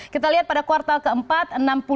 kita lihat pada kuartal keempat enam puluh sembilan